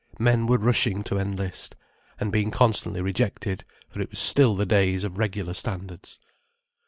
Men were rushing to enlist—and being constantly rejected, for it was still the days of regular standards.